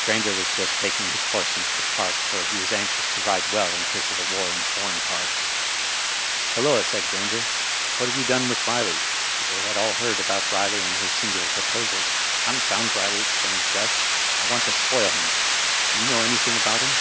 Grainger was just taking his horse into the Park, for he was anxious to ride well in case of a war in foreign parts. " Hnlloa 1 " said Grainger, " what have you done with Eiley?" For they had all. heard about Eiley and his singular proposals. " Confound Eiley !" exclaimed Gus. "I want to spoil him. Do you know anything about him?"